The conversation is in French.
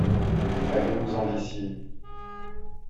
allez-vous en d'ici.